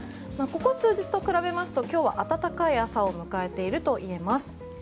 ここ数日と比べますと今日は暖かい朝を迎えているといえます。